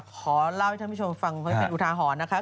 ขอเล่าให้ท่านผู้ชมฟังไว้เป็นอุทาหรณ์นะคะ